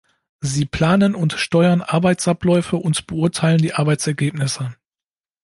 Sie planen und steuern Arbeitsabläufe und beurteilen die Arbeitsergebnisse.